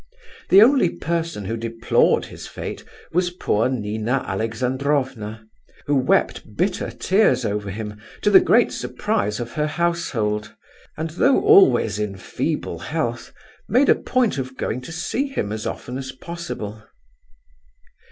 The only person who deplored his fate was poor Nina Alexandrovna, who wept bitter tears over him, to the great surprise of her household, and, though always in feeble health, made a point of going to see him as often as possible.